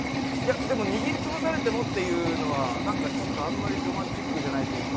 でも、握りつぶされてもというのはあんまりロマンチックじゃないというか。